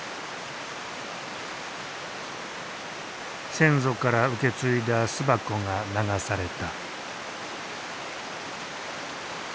先祖から受け継いだ巣箱が流された。